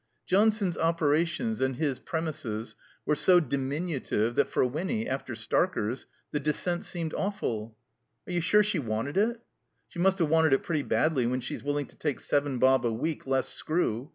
Johnson's operations and his prem ises were so diminutive that for Wiimy — after Starker's — ^the descent seemed awful. "Are you sure she wanted it?" "She must have wanted it pretty badly when she's willing to take seven bob a week less screw.